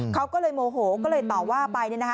เขาก็เลยโมโหก็เลยต่อว่าไป